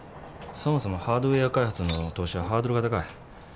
そもそもハードウェア開発の投資はハードルが高い。